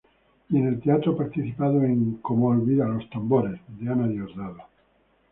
Y en teatro ha participado en como "Olvida los tambores", de Ana Diosdado.